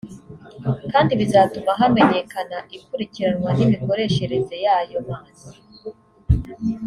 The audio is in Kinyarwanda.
kandi bizatuma hamenyekana ikurikiranwa n’imikoreshereze y’ayo mazi